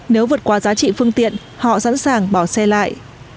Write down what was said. nếu vượt qua giá trị phương tiện họ sẵn sàng bỏ xe lại